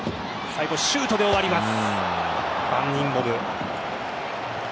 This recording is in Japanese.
最後、シュートで終わります。